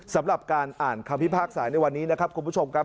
สำหรับการอ่านคำพิพากษาในวันนี้นะครับคุณผู้ชมครับ